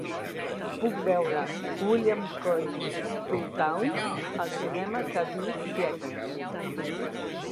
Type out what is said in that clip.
Puc veure "William Comes to Town" al cinema KB Theatres